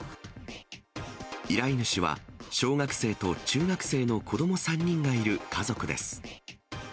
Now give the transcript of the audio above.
依頼主は、小学生と中学生の子ども３人がいる家族です。